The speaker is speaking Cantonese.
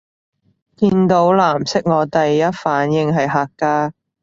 見到藍色我第一反應係客家